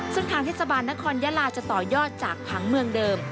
ซึ่งทางเทศบาลนครยาลาจะต่อยอดจากผังเมืองเดิม